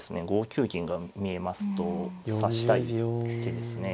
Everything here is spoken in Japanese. ５九銀が見えますと指したい手ですね。